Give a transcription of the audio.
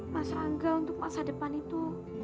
mas angga untuk masa depan itu